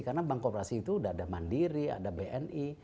karena bank korporasi itu udah ada mandiri ada bni